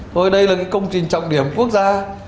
tôi đây là cái công trình trọng điểm quốc gia